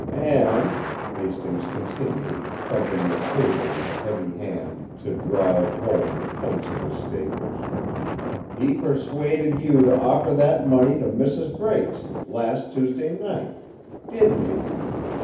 "And," Hastings continued, thumping the table with a heavy hand to drive home the points of his statement, "he persuaded you to offer that money to Mrs. Brace last Tuesday night. Didn't he?